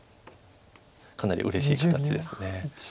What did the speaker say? かなりうれしい形です。